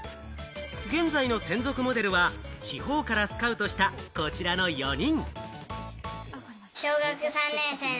現在の専属モデルは、地方からスカウトしたこちらの４人。